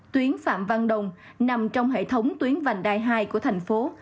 tuyến phạm văn đồng nằm trong hệ thống tuyến vành đai hai của thành phố